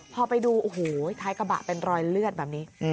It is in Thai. พอไปดูโอ้โหท้ายกระบะเป็นรอยเลือดแบบนี้